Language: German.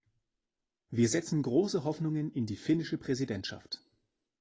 Wir setzen große Hoffnungen in die finnische Präsidentschaft.